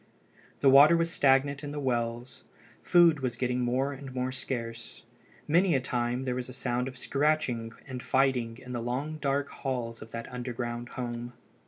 The water was stagnant in the wells. Food was getting more and more scarce. Many a time there was a sound of scratching and fighting in the long dark halls of that underground home.